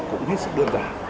cũng hết sức đơn giản